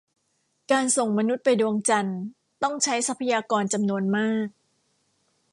การส่งมนุษย์ไปดวงจันทร์ ต้องใช้ทรัพยากรจำนวนมาก